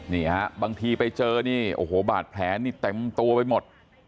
นี่ฮะบางทีไปเจอนี่โอ้โหบาดแผลนี่เต็มตัวไปหมด